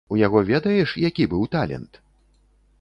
У яго ведаеш, які быў талент?